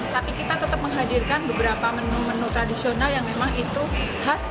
tapi kita tetap menghadirkan beberapa menu menu tradisional yang memang itu khas